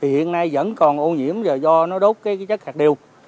hiện nay vẫn còn ô nhiễm và do nó đốt chất hạt điều